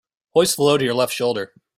Hoist the load to your left shoulder.